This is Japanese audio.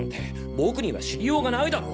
僕には知りようがないだろ？